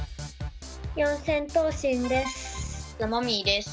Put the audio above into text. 四千頭身です。